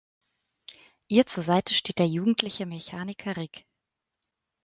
Ihr zur Seite steht der jugendliche Mechaniker Rick.